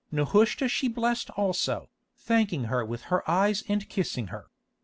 Nehushta she blessed also, thanking her with her eyes and kissing her.